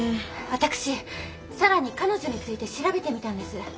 私更に彼女について調べてみたんです。